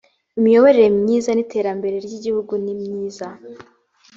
imiyoborere myiza n ‘iterambere ry ‘igihugu nimyiza.